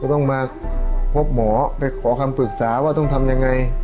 ต้องมาพบหมอไปขอคำปรึกษาว่าต้องทำยังไง